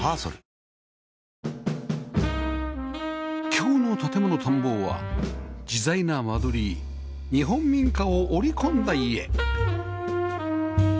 今日の『建もの探訪』は自在な間取り“日本民家”を織り込んだ家